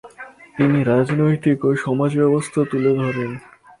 তিনি রাজনৈতিক ও সমাজ বাস্তবতা তুলে ধরেন।